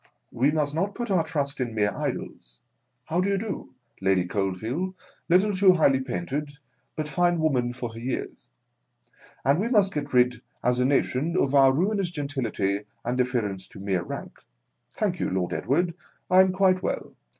We must not put our trust in mere idols (how do you do !— Lady Coldveal — little too highly painted, but fine woman for her years), and we must get rid as a nation of our ruinous gentility and deference to mere rank. (Thank you, Lord Edward, I am quite well.